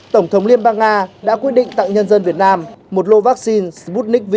tổng thống liên bang nga đã quyết định tặng nhân dân việt nam một lô vaccine sputnik v